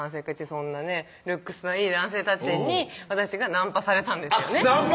そんなねルックスのいい男性たちに私がナンパされたんですよねナンパ？